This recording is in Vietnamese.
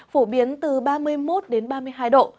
phổ biến từ ba mươi một đến ba mươi hai độ